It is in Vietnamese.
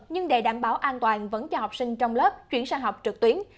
nhưng để đảm bảo an toàn vẫn cho học sinh trong lớp chuyển sang học trực tuyến